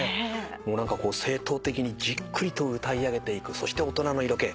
何かこう正統的にじっくりと歌い上げていくそして大人の色気。